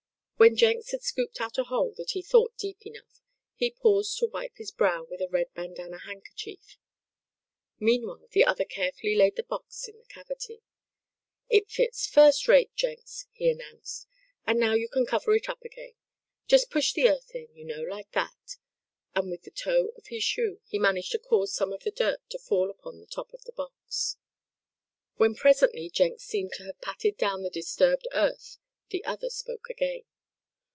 When Jenks had scooped out a hole that he thought deep enough, he paused to wipe his brow with a red bandanna handkerchief. Meanwhile the other carefully laid the box in the cavity. "It fits first rate, Jenks," he announced, "and now you can cover it up again. Just push the earth in, you know, like that," and with the toe of his shoe he managed to cause some of the dirt to fall upon the top of the box. When presently Jenks seemed to have patted down the disturbed earth the other spoke again.